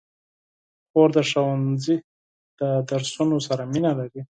خور د ښوونځي د درسونو سره مینه لري.